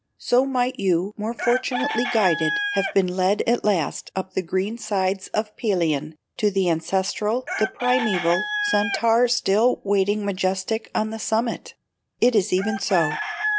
So might you, more fortunately guided, have been led at last up the green sides of Pelion, to the ancestral, the primeval, Centaur still waiting majestic on the summit!" It is even so.